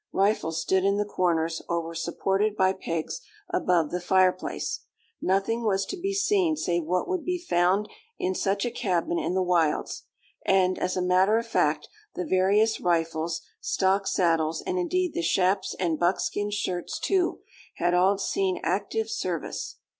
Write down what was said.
Rifles stood in the corners, or were supported by pegs above the fireplace. Nothing was to be seen save what would be found in such a cabin in the wilds; and, as a matter of fact, the various rifles, stock saddles, and indeed the shaps and buckskin shirts, too, had all seen active service.